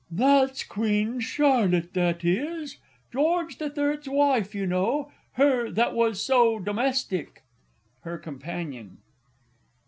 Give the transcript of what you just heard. That's Queen Charlotte, that is. George the Third's wife, you know her that was so domestic. HER COMPANION.